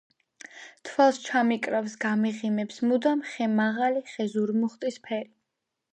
თვალს ჩამიკრავს გამიღიმებს მუდამ ხე მაღალი ხე ზურმუხტისფერი